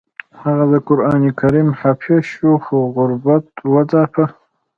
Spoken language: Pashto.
هغه د قران کریم حافظ شو خو غربت وځاپه